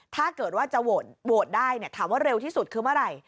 ถ้าเกิดว่าจะโหวตได้ถามว่าเร็วที่สุดคือเมื่อไหร่